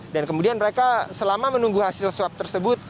kemudian mereka selama menunggu hasil swab tersebut